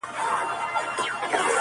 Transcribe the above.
ته دې هره ورځ و هيلو ته رسېږې.